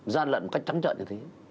gian lận cách trắng trận như thế